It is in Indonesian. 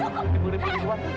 jangan berpikir pak